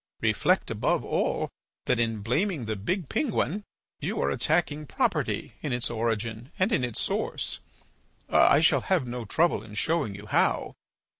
Reflect, above all, that in blaming the big penguin you are attacking property in its origin and in its source. I shall have no trouble in showing you how.